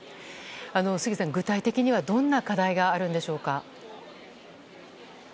杉さん、具体的にはどんな課題があるんでしょうか。